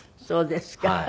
そうですか。